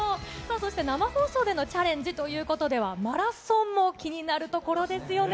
そして、生放送でのチャレンジということでは、マラソンも気になるところですよね。